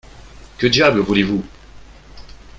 Que diable voulez-vous ?